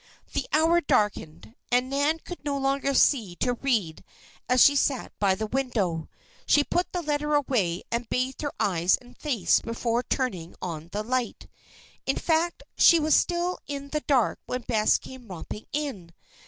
The hour darkened, and Nan could no longer see to read as she sat by the window. She put the letter away and bathed her eyes and face before turning on the light. In fact, she was still in the dark when Bess came romping in.